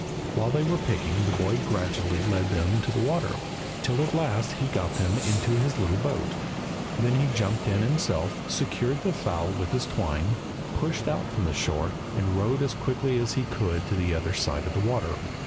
While they were picking the boy gradually led them to the water, till at last he got them into his little boat. Then he jumped in himself, secured the fowl with his twine, pushed out from the shore, and rowed as quickly as he could to the other side of the water.